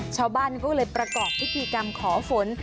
ชาวบ้านก็เลยประกอบพิธีกรรมขอฝน